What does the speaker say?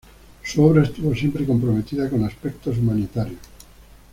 Su obra estuvo siempre comprometida con aspectos humanitarios.